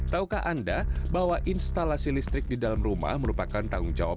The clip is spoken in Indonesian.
taukah anda bahwa instalasi listrik di dalam rumah merupakan tanggung jawab